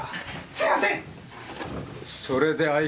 すいません！